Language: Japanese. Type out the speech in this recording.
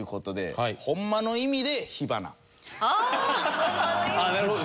ああなるほど。